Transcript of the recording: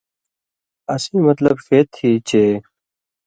اسیں مطلب ݜے تھی چے